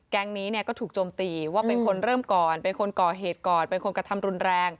นี้เนี่ยก็ถูกโจมตีว่าเป็นคนเริ่มก่อนเป็นคนก่อเหตุก่อนเป็นคนกระทำรุนแรง